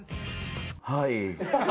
はい。